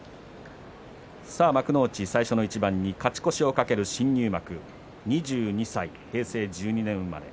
幕内最初の一番に勝ち越しを懸ける新入幕２２歳、平成１２年生まれ。